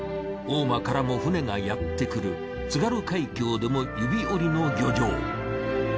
大間からも船がやって来る津軽海峡でも指折りの漁場。